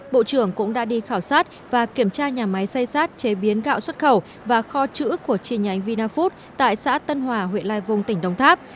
bộ trưởng cũng đã đi khảo sát và kiểm tra nhà máy xây sát chế biến gạo xuất khẩu và kho chữ của chi nhánh vina food tại xã tân hòa huyện lai vung tỉnh đồng tháp